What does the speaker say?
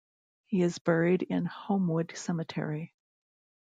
He is buried in Homewood Cemetery.